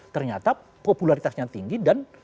ternyata popularitasnya tinggi dan